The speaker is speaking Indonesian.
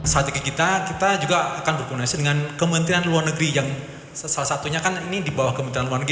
strategi kita kita juga akan berkoordinasi dengan kementerian luar negeri yang salah satunya kan ini di bawah kementerian luar negeri